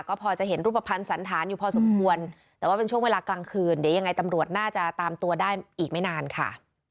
ก็พอจะเห็นรูปภัณฑ์สันธารอยู่พอสมควรแต่ว่าเป็นช่วงเวลากลางคืนเดี๋ยวยังไงตำรวจน่าจะตามตัวได้อีกไม่นานค่ะ